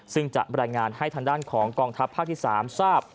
ซึ่งจะบรรยายงานให้ทางด้านของกองทัพภาคที่๓ทราบ